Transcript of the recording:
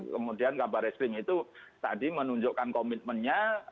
kemudian kabar reskrim itu tadi menunjukkan komitmennya